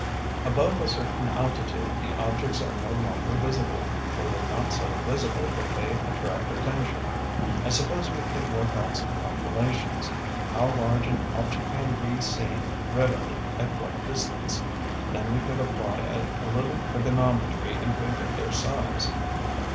Above a certain altitude, the objects are no longer visible. Or they're not so visible that they attract attention. I suppose we could work out some calculations. How large an object can be seen readily at what distance? Then we could apply a little trigonometry and figure their size."